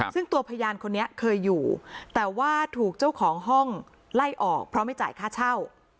ซึ่งตัวพยานคนนี้เคยอยู่แต่ว่าถูกเจ้าของห้องไล่ออกเพราะไม่จ่ายค่าเช่า